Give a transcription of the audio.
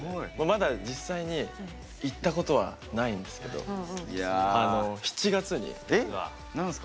まだ実際に行ったことはないんですけどえ